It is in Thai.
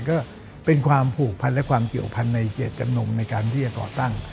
ก็เป็นความผูกพันและความเกี่ยวพันธ์ในเจตจำนงในการที่จะก่อตั้ง